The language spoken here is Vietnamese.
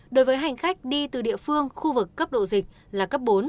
đối với hành khách đi từ địa phương khu vực cấp độ dịch là cấp bốn